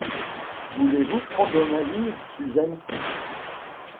Voulez-vous prendre ma ligne, Suzel ?